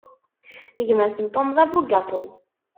Gma-s n Tom, d abugaṭu.